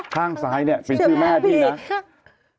ข้างซ้ายเป็นชื่อแม่พี่นะ